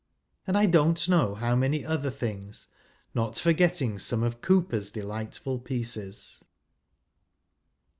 " and I don't know ' how m.any other things, not forgetting some of Cooper's delightful pieces.